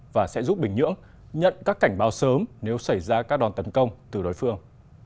và sẽ giúp bình nhưỡng nhận các cảnh báo sớm nếu xảy ra các đòn tấn công từ đối phương